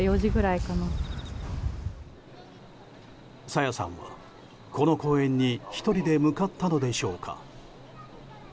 朝芽さんは、この公園に１人で向かったのでしょうか。